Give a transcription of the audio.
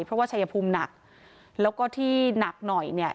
เพราะว่าชายภูมิหนักแล้วก็ที่หนักหน่อยเนี่ย